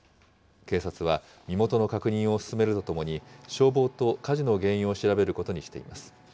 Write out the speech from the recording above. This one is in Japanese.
警察は身元の確認を進めるとともに、消防と火事の原因を調べることにしています。